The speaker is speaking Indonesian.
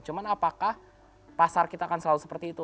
cuman apakah pasar kita akan selalu seperti itu